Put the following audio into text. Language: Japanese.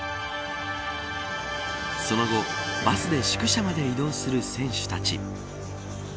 その後、バスで宿舎まで移動する選手たち。